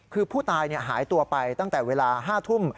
คือผู้ตายหายตัวไปตั้งแต่เวลา๕ทุ่ม